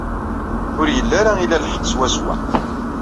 Ur yelli ara ila lḥeqq swaswa.